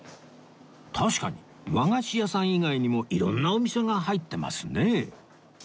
確かに和菓子屋さん以外にも色んなお店が入ってますねえ